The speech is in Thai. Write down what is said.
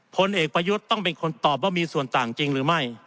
ผลเอกประยุทธ์ต้องเป็นคนตอบว่ามีส่วนต่างจริงหรือไม่